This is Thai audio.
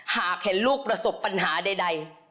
หากเห็นลูกประสบปัญหาใด